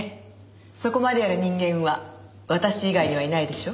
そこまでやる人間は私以外にはいないでしょう？